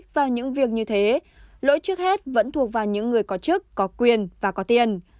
vào những việc như thế lỗi trước hết vẫn thuộc vào những người có chức có quyền và có tiền